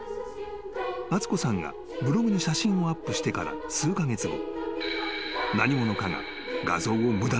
［敦子さんがブログに写真をアップしてから数カ月後］